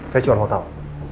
saya cuma mau tau